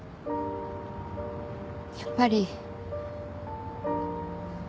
やっぱり。